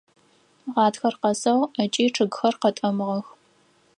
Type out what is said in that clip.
Гъатхэр къэсыгъ, ыкӏи чъыгхэр къэтӏэмыгъэх.